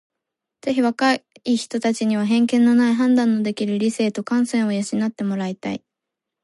ぜひ若い人たちには偏見のない判断のできる理性と感性を養って貰いたい。